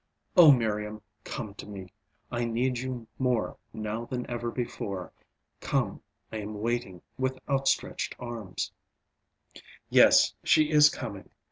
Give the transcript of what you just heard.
O Miriam, come to me, I need you more now than ever before. Come, I am waiting with outstretched arms. Yes, she is coming.